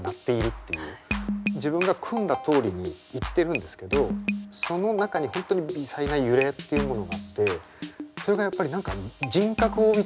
自分が組んだとおりにいってるんですけどその中に本当に微細な揺れっていうものがあってそれがやっぱり何か人格を帯びてるような感覚になるんすよ。